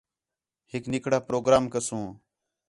ہِک نِکڑا پروگرام کسوں